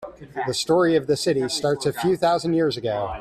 The story of the city starts a few thousand years ago.